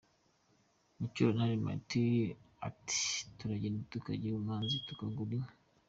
Mucyurantare Martin ati “Turagenda tukajya i Bumazi tukagura inka.